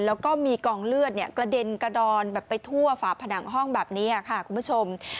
แล้วก็มีกองเลือดกระเด็นกระดอนแบบไปทั่วฝาผนังห้องแบบนี้ค่ะคุณผู้ชม